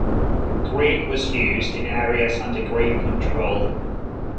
Greek was used in areas under Greek control.